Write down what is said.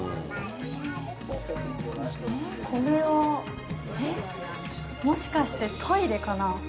これは、えっ、もしかしてトイレかな？